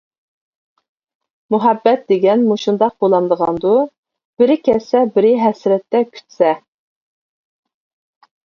مۇھەببەت دېگەن مۇشۇنداق بولامدىغاندۇ؟ بىرى كەتسە، بىرى ھەسرەتتە كۈتسە.